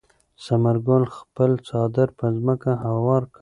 ثمر ګل خپل څادر پر ځمکه هوار کړ.